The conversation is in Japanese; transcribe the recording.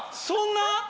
そんな？